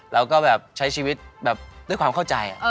เราก็แบบใช้ชีวิตแบบด้วยความเข้าใจ